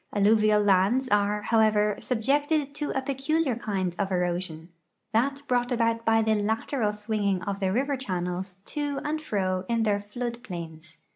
Alluvial lands are, however, subjected to a ])eculiar kind of erosion — that brought about by the lateral swinging of the river channels to and fro in their flood plains.